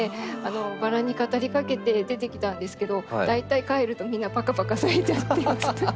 バラに語りかけて出てきたんですけど大体帰るとみんなぱかぱか咲いちゃってます。